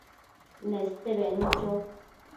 Neste bednu cho